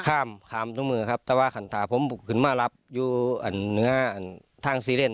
ข้ามข้ามตรงมือครับแต่ว่าขันถ่าผมคือมารับอยู่ทางซีเรน